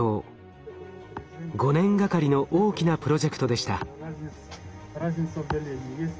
５年がかりの大きなプロジェクトでした。